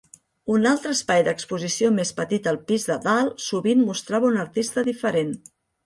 Un altre espai d'exposició més petit al pis de dalt sovint mostrava un artista diferent.